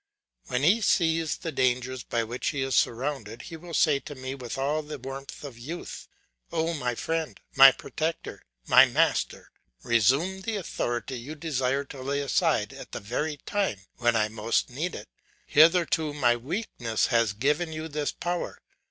When he sees the dangers by which he is surrounded, he will say to me with all the warmth of youth, "Oh, my friend, my protector, my master! resume the authority you desire to lay aside at the very time when I most need it; hitherto my weakness has given you this power.